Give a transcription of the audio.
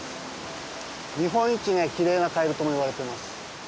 日本一きれいなカエルともいわれてます。